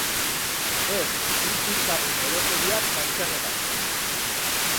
Ez, utz ditzagun erokeriak bazterrerat.